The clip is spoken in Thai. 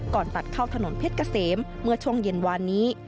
ตัดเข้าถนนเพชรเกษมเมื่อช่วงเย็นวานนี้